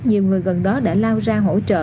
nhiều người gần đó đã lao ra hỗ trợ